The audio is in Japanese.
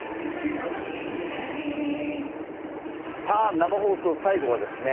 生放送、最後はですね